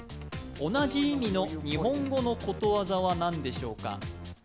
同じ意味の日本語のことわざは何でしょうか。